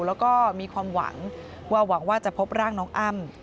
แล้วก็มีความหวังว่าหวังว่าจะพบร่างน้องอ้ำ